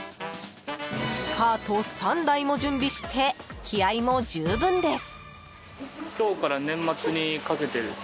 カートを３台も準備して気合いも十分です。